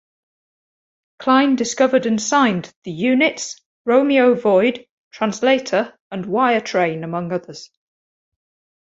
Klein discovered and signed The Units, Romeo Void, Translator and Wire Train among others.